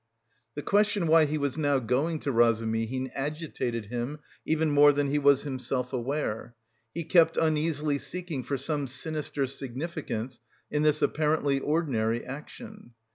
The question why he was now going to Razumihin agitated him even more than he was himself aware; he kept uneasily seeking for some sinister significance in this apparently ordinary action.